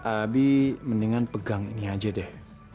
abi mendingan pegang ini aja deh